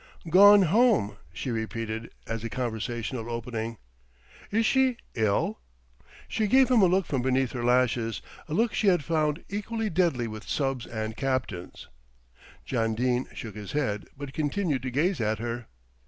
"Gone home!" she repeated as a conversational opening. "Is she ill?" She gave him a look from beneath her lashes, a look she had found equally deadly with subs and captains. John Dene shook his head, but continued to gaze at her.